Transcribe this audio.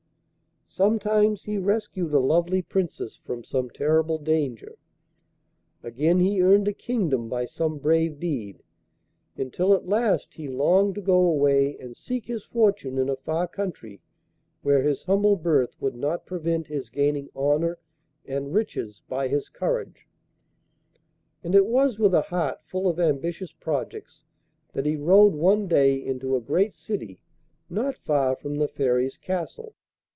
Sometimes he rescued a lovely Princess from some terrible danger, again he earned a kingdom by some brave deed, until at last he longed to go away and seek his fortune in a far country where his humble birth would not prevent his gaining honour and riches by his courage, and it was with a heart full of ambitious projects that he rode one day into a great city not far from the Fairy's castle.